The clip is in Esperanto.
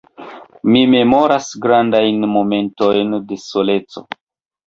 Mi memoras grandajn momentojn de soleco.